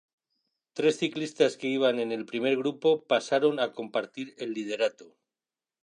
Tres ciclistas que iban en el primer grupo pasaron a compartir el liderato.